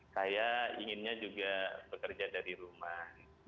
saya inginnya juga bekerja dari rumah